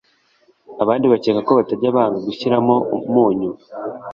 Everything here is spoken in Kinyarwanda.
abandi bakeka ko batajya banga gushyiramo umunyu